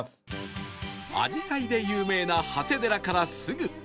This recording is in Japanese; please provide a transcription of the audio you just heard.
アジサイで有名な長谷寺からすぐ